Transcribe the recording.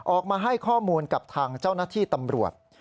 ออกมาให้ข้อมูลกับทางเจ้าหน้าที่ตำรวจ